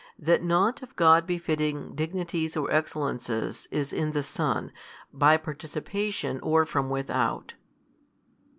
That nought of God befitting Dignities or Excellences is in the Son, by participation, or from without.